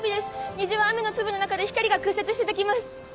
虹は雨の粒の中で光が屈折してできます。